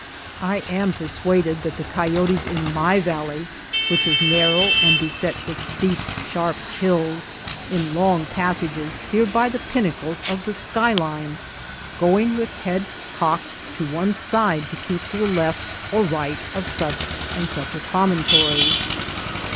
I am persuaded that the coyotes in my valley, which Tsliar row and beset with steep, sharp hills, in 30 WATER TRAILS OF THE CERISO long passages steer by the pinnacles of the sky line, going with head cocked to one side to keep to the left or right of such and such a promontory.